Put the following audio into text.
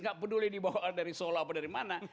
nggak peduli dibawa dari solo apa dari mana